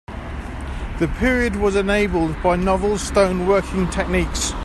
The period was enabled by novel stone working techniques.